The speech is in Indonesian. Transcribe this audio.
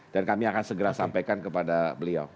dan kami akan segera sampaikan kepada beliau